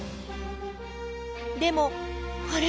でもあれ？